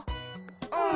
うん。